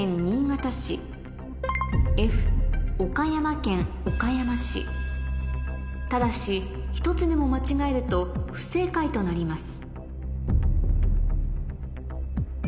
次のうちただし１つでも間違えると不正解となります